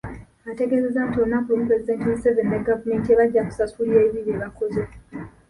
Ategeezezza nti olunaku lumu Pulezidenti Museveni ne gavumenti ye bajja kusasulira ebibi bye bakoze.